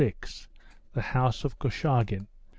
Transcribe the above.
THE HOUSE OF KORCHAGIN.